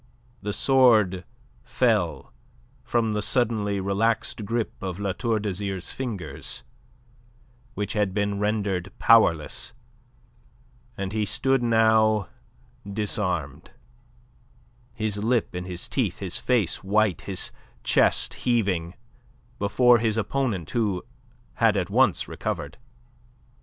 The sword fell from the suddenly relaxed grip of La Tour d'Azyr's fingers, which had been rendered powerless, and he stood now disarmed, his lip in his teeth, his face white, his chest heaving, before his opponent, who had at once recovered.